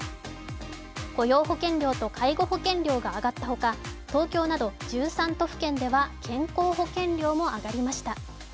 雇用保険料と介護保険料が上がったほか、東京など１３都府県では、健康保険料も上がりました。